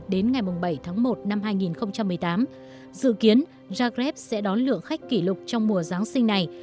đến ngày bảy tháng một năm hai nghìn một mươi tám dự kiến jackrev sẽ đón lượng khách kỷ lục trong mùa giáng sinh này